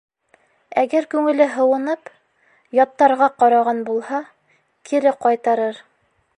Әгәр күңеле һыуынып, яттарға ҡараған булһа, кире ҡайтарыр.